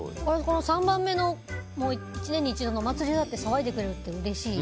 ３番目の１年に一度のお祭りだって騒いでくれるってうれしい。